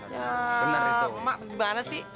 ya bener itu mak gimana sih